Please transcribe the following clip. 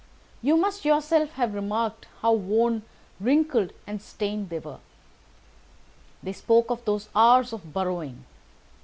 You must yourself have remarked how worn, wrinkled, and stained they were. They spoke of those hours of burrowing.